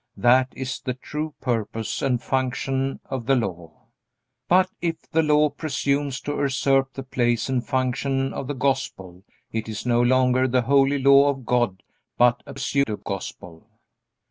That is the true purpose and function of the Law. But if the Law presumes to usurp the place and function of the Gospel, it is no longer the holy Law of God, but a pseudo Gospel.